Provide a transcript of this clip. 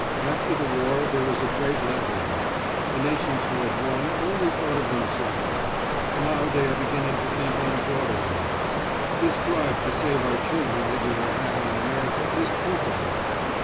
After the war there was a great lethargy. The nations who had won only thought of themselves. Now they are beginning to think on broader lines—this drive to save our children that you are having in America is proof of that.